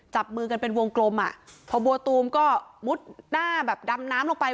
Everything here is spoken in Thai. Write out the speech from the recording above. จับมือกันเป็นวงกลมอ่ะพอบัวตูมก็มุดหน้าแบบดำน้ำลงไป